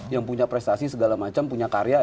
yang punya prestasi segala macam punya karya